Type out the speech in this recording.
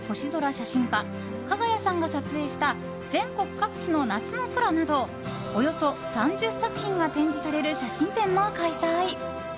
写真家ＫＡＧＡＹＡさんが撮影した全国各地の夏の空などおよそ３０作品が展示される写真展も開催。